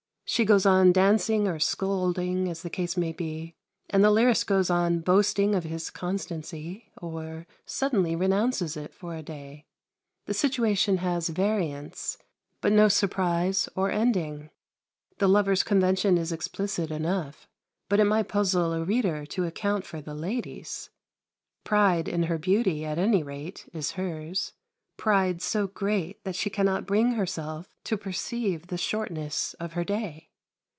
She goes on dancing or scolding, as the case may be, and the lyrist goes on boasting of his constancy, or suddenly renounces it for a day. The situation has variants, but no surprise or ending. The lover's convention is explicit enough, but it might puzzle a reader to account for the lady's. Pride in her beauty, at any rate, is hers pride so great that she cannot bring herself to perceive the shortness of her day.